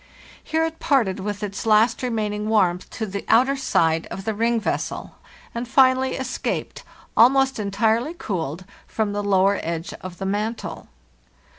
Here it parted with its last remain ing warmth to the outer side of the ring vessel, and finally escaped, almost entirely cooled, from the lower edge of the mantle.